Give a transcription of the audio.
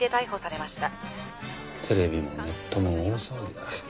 テレビもネットも大騒ぎだ。